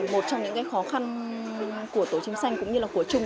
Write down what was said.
một trong những khó khăn của tổ chính xanh cũng như là của chung